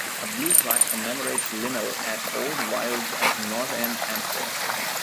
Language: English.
A blue plaque commemorates Linnell at Old Wyldes' at North End, Hampstead.